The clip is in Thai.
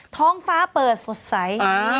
ท้องฟ้าเปิดสดใส